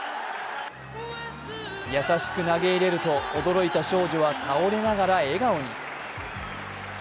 優しく投げ入れると驚いた少女は倒れながら笑顔に。